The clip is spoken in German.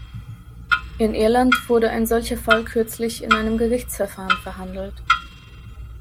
In Irland wurde ein solcher Fall kürzlich in einem Gerichtsverfahren verhandelt.